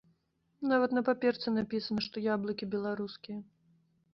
Нават на паперцы напісана, што яблыкі беларускія!